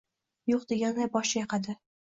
yo‘q deganday bosh chayqadi